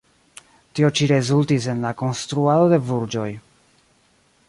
Tio ĉio rezultis en la konstruado de burĝoj.